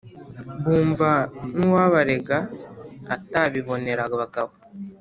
Bumva n’uwabarega Atabibonera abagabo